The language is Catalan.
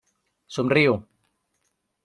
Somriu.